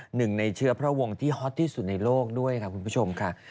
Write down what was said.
หนึ่งในเชื้อพระวงที่ฮอตที่สุดในโลกด้วยค่ะคุณผู้ชมค่ะ